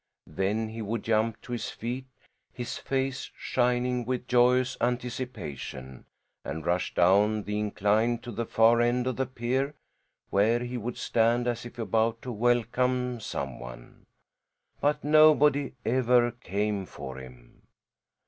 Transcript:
Then he would jump to his feet, his face shining with joyous anticipation, and rush down the incline to the far end of the pier, where he would stand as if about to welcome some one. But nobody ever came for him.